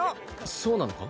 そうなのか？